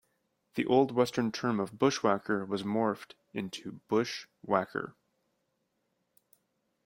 The old western term of "bushwhacker" was morphed into "Busch Whacker".